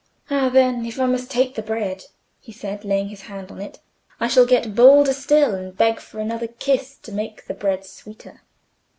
"Ah, then, if I must take the bread," he said, laying his hand on it, "I shall get bolder still, and beg for another kiss to make the bread sweeter."